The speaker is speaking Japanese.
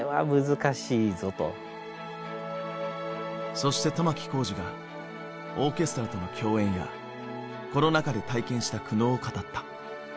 そして玉置浩二がオーケストラとの共演やコロナ禍で体験した苦悩を語った。